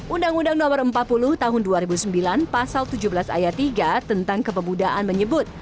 undang undang no empat puluh tahun dua ribu sembilan pasal tujuh belas ayat tiga tentang kepemudaan menyebut